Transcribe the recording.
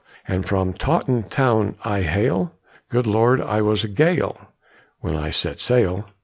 "And from Taunton town I hail; Good Lord, it was a gale When I set sail!"